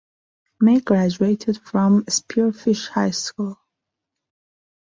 May graduated from Spearfish High School.